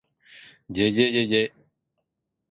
ｗ じぇじぇじぇじぇ ｗ